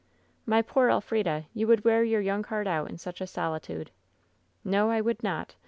" 'My poor Elf rida ! You would wear your young heart out in such a solitude !'" 'No ; I would not.